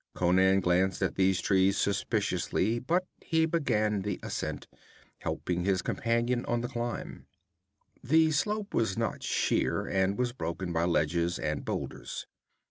Conan glanced at these trees suspiciously, but he began the ascent, helping his companion on the climb. The slope was not sheer, and was broken by ledges and boulders.